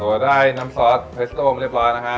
ก็ได้น้ำซอสเพลสโต้งเรียบร้อยนะฮะ